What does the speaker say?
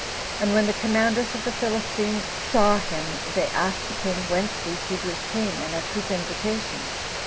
And when the commanders of the Philistines saw him, they asked the king whence these Hebrews came, and at whose invitation.